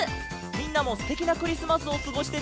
みんなもすてきなクリスマスをすごしてね。